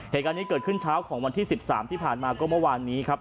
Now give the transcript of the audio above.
เหตุการณ์นี้เกิดขึ้นเช้าของวันที่๑๓ที่ผ่านมาก็เมื่อวานนี้ครับ